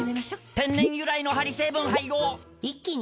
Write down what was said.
天然由来のハリ成分配合一気に！